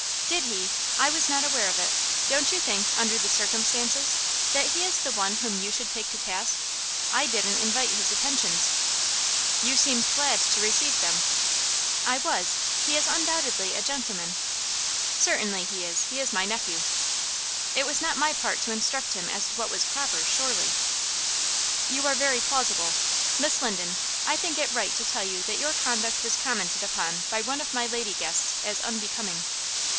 "Did he? I was not aware of it. Don't you think, under the circumstances, that he is the one whom you should take to task? I didn't invite his attentions." "You seemed glad to receive them." "I was. He is undoubtedly a gentleman." "Certainly he is. He is my nephew." "It was not my part to instruct him as to what was proper, surely." "You are very plausible. Miss Linden, I think it right to tell you that your conduct was commented upon by one of my lady guests as unbecoming.